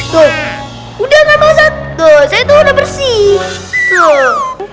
tuh udah gak masak tuh saya tuh udah bersih